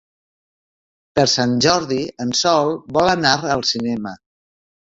Per Sant Jordi en Sol vol anar al cinema.